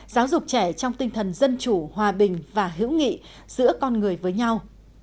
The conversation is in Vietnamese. giáo dục trẻ trong tinh thần dân chủ hòa bình và hữu nghị giữa con người với nhau